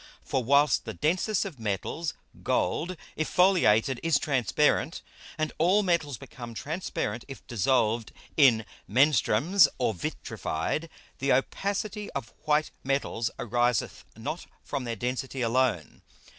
For whilst the densest of Metals, Gold, if foliated, is transparent, and all Metals become transparent if dissolved in Menstruums or vitrified, the Opacity of white Metals ariseth not from their Density alone.